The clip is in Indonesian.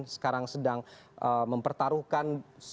sekarang sedang mempertaruhkan